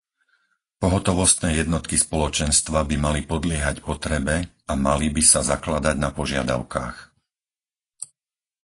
Pohotovostné jednotky Spoločenstva by mali podliehať potrebe a mali by sa zakladať na požiadavkách.